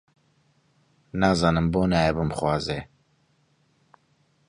نازانم بۆ نایە بمخوازێ؟